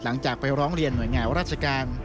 หลังจากไปร้องเรียนหน่วยงานราชการ